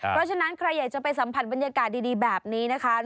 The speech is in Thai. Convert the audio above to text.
เพราะฉะนั้นใครอยากจะไปสัมผัสบรรยากาศดีแบบนี้นะคะ